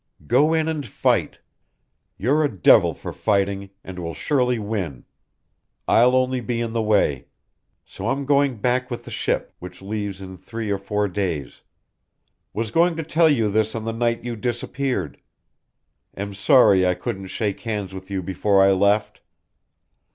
Go in and fight. You're a devil for fighting, and will surely win. I'll only be in the way. So I'm going back with the ship, which leaves in three or four days. Was going to tell you this on the night you disappeared. Am sorry I couldn't shake hands with you before I left.